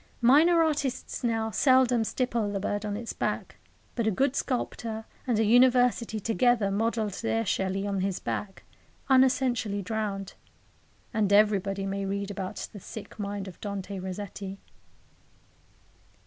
Minor artists now seldom stipple the bird on its back, but a good sculptor and a University together modelled their Shelley on his back, unessentially drowned; and everybody may read about the sick mind of Dante Rossetti.